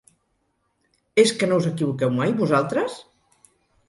És que no us equivoqueu mai, vosaltres?